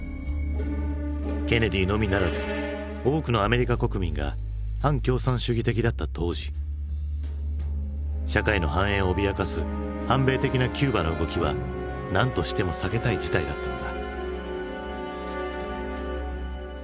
ケネディのみならず多くのアメリカ国民が反共産主義的だった当時社会の繁栄を脅かす反米的なキューバの動きはなんとしても避けたい事態だったのだ。